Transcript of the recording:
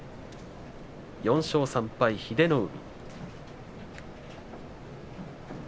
４勝３敗、英乃海。